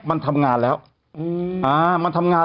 อ่ามันทำงานแล้วมันเหมือนจะซัดเครื่องรถปึ้งติดปึ๊บแสดงเครื่องทำงาน